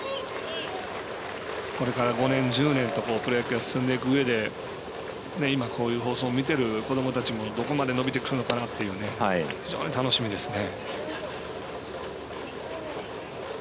これから５年、１０年とプロ野球が進んでくるうえでこういう放送を見ている子どもたちもどこまで伸びてくるのか非常に楽しみですね。